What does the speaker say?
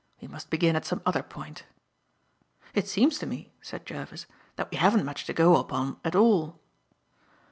We must begin at some other point." "It seems to me," said Jervis, "that we haven't much to go upon at all."